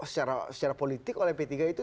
secara politik oleh p tiga itu